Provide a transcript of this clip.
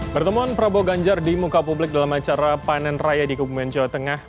pertemuan prabowo ganjar di muka publik dalam acara panen raya di kebumen jawa tengah